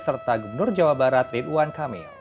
serta gubernur jawa barat ridwan kamil